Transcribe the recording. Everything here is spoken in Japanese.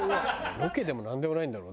ロケでもなんでもないんだもん。